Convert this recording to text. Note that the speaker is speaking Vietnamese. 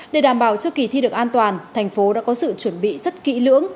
để đảm bảo cho kỳ thi được an toàn thành phố đã có sự chuẩn bị rất kỹ lưỡng